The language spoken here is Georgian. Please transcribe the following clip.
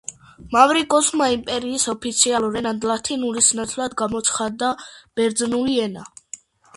მავრიკიოსმა იმპერიის ოფიციალურ ენად ლათინურის ნაცვლად გამოაცხადა ბერძნული ენა.